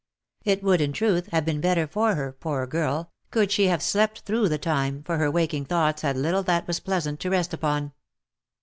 It would, in truth, have been better for her, poor girl, could she have slept through the time, for her waking thoughts had little that was pleasant to rest upon.